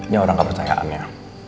dia orang kepercayaannya